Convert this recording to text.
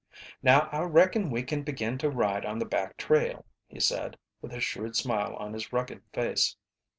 "Now I reckon we can begin to ride on the back trail," he said, with a shrewd smile on his rugged face.